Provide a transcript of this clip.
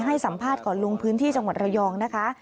ให้สัมภาษณ์ก่อนลงพื้นที่จังหวัดระยองนะคะ